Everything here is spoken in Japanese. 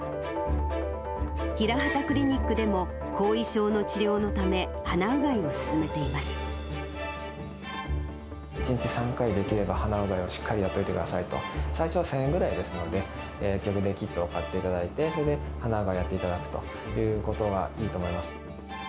ヒラハタクリニックでも、後遺症の治療のため、１日３回、できれば鼻うがいをしっかりやっておいてくださいと、最初は１０００円ぐらいですので、薬局でキットを買っていただいて、それで鼻うがいをやっていただくということがいいと思います。